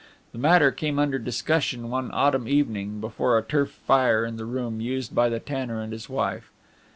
The matter came under discussion one autumn evening, before a turf fire in the room used by the tanner and his wife.